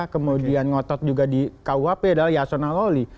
kemudian ngotot juga di kuhp adalah yasona lawli